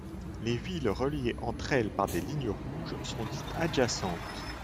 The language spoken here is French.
Les villes reliées entre elles par des lignes rouges sont dites adjacentes.